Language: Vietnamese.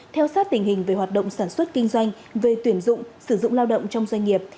theo sát tình hình về hoạt động sản xuất kinh doanh về tuyển dụng sử dụng lao động trong doanh nghiệp